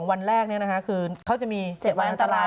วันแรกนี้นะคะคือเขาจะมี๗วันอันตราย